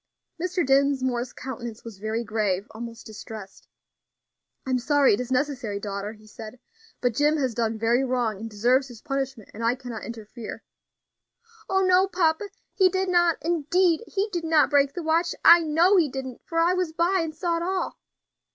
Mr. Dinsmore's countenance was very grave, almost distressed. "I am sorry it is necessary, daughter," he said, "but Jim has done very wrong, and deserves his punishment, and I cannot interfere." "Oh! no, papa, he did not, indeed he did not break the watch. I know he didn't, for I was by and saw it all."